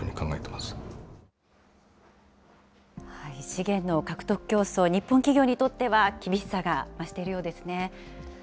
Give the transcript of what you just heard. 資源の獲得競争、日本企業にとっては厳しさが増しているようですね。